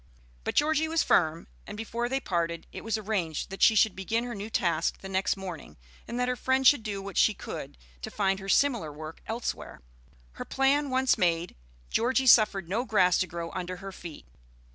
But Georgie was firm, and before they parted it was arranged that she should begin her new task the next morning, and that her friend should do what she could to find her similar work elsewhere. Her plan once made, Georgie suffered no grass to grow under her feet.